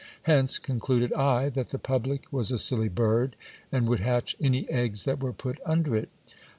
Hence concluded I that the public was a silly bird, and would hatch any eggs that were put under it.